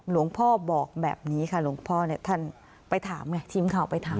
บอกแบบนี้ค่ะหลวงพ่อเนี่ยท่านไปถามไงทีมข่าวไปถาม